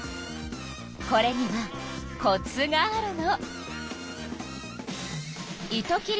これにはコツがあるの。